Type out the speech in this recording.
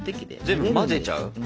全部混ぜちゃう？